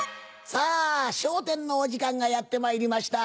さぁ『笑点』のお時間がやってまいりました。